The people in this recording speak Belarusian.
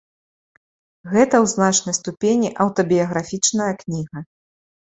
Гэта ў значнай ступені аўтабіяграфічная кніга.